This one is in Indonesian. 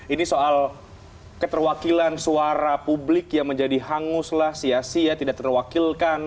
ini soal keterwakilan suara publik yang menjadi hangus lah sia sia tidak terwakilkan